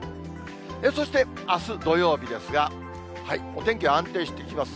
そしてあす土曜日ですが、お天気は安定してきます。